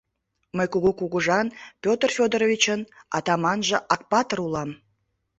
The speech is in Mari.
Мый кугу кугыжан, Петр Федоровичын, атаманже Акпатыр улам.